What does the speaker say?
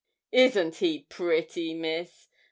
Isn't he pretty, Miss?